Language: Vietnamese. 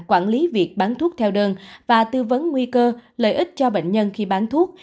quản lý việc bán thuốc theo đơn và tư vấn nguy cơ lợi ích cho bệnh nhân khi bán thuốc